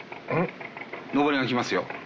上りが来ますよ。